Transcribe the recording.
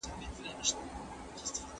خوله دي خپله، غول په وله.